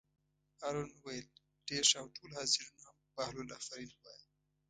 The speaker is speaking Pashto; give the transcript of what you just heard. هارون وویل: ډېر ښه او ټولو حاضرینو هم په بهلول آفرین ووایه.